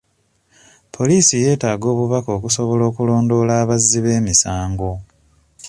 Poliisi yeetaaga obubaka okusobola okulondoola abazzi b'emisango.